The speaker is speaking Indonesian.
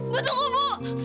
bu tunggu bu